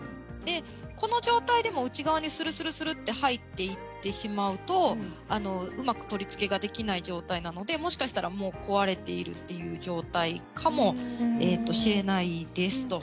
この状態でも、内側にするする入ってしまうとうまく取り付けができない状態なのでもしかしたらもう壊れているという状態かもですね。